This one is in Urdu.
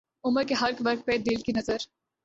عمر کے ہر ورق پہ دل کی نظر